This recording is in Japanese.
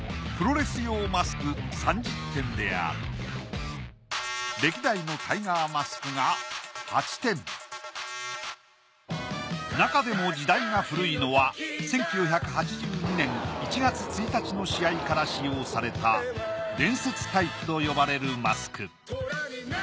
プロレス用マスク３０点であるなかでも時代が古いのは１９８２年１月１日の試合から使用された「伝説」タイプと呼ばれるマスク。